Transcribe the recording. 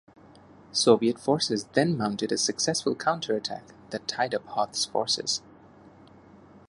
Soviet forces then mounted a successful counterattack that tied up Hoth's forces.